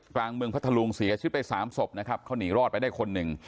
พมพลุงเสียชีวิตไปสามศพนะครับเข้านี่รอดไปได้คนหนึ่ง